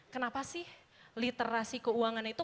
kenapa sih literasi keuangan itu